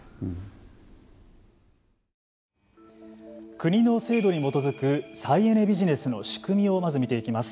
国の制度に基づく再エネビジネスの仕組みをまず見ていきます。